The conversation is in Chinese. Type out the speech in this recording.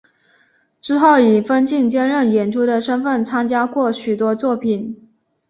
之后以分镜兼任演出的身分参加过许多作品。